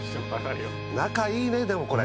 仲いいねでもこれ。